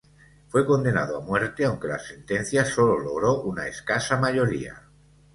Fue condenado a muerte, aunque la sentencia sólo logró una escasa mayoría.